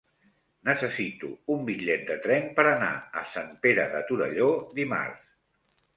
Necessito un bitllet de tren per anar a Sant Pere de Torelló dimarts.